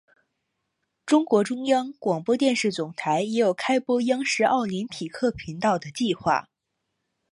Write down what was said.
中国中央广播电视总台也有开播央视奥林匹克频道的计划。